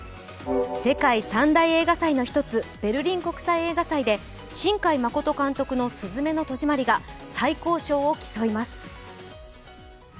世界三大映画祭の一つベルリン国際映画祭で新海誠監督の「すずめの戸締まり」が最高賞を競います。